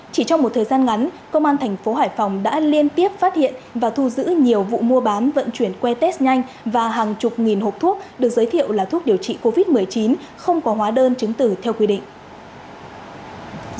chỉ trong một thời gian ngắn công an thành phố hải phòng đã liên tiếp phát hiện và thu giữ nhiều vụ mua bán vận chuyển que test nhanh và hàng chục nghìn hộp thuốc được giới thiệu là thuốc điều trị covid một mươi chín không có hóa đơn chứng tử theo quy định